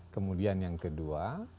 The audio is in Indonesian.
kemudian yang kedua